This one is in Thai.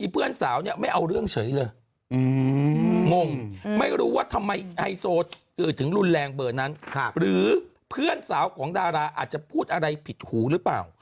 เพื่อนสาวเนี่ยไม่เอาเรื่องเฉยเลยงงไม่รู้ว่าทำไมไฮโซถึงรุนแรงเบอร์นั้นหรือเพื่อนสาวของดาราอาจจะพูดอะไรผิดหูหรือเปล่า